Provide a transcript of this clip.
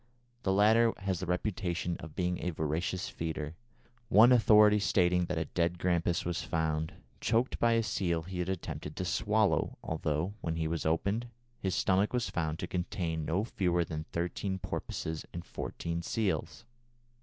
The latter has the reputation of being a voracious feeder, one authority stating that a dead grampus was found, choked by a seal he had attempted to swallow, although, when he was opened, his stomach was found to contain no fewer than thirteen porpoises and fourteen seals.